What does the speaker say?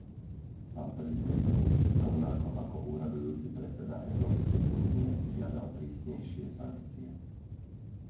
Pán prezident Bush, rovnako ako úradujúci predseda Európskej únie, žiadal prísnejšie sankcie.